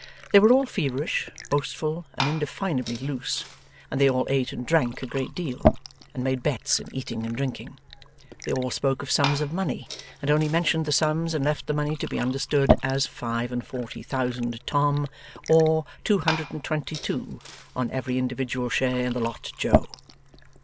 They were all feverish, boastful, and indefinably loose; and they all ate and drank a great deal; and made bets in eating and drinking. They all spoke of sums of money, and only mentioned the sums and left the money to be understood; as 'five and forty thousand Tom,' or 'Two hundred and twenty two on every individual share in the lot Joe.